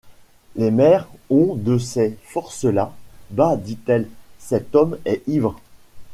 Les mères ont de ces forces-là. — Bah! dit-elle, cet homme est ivre.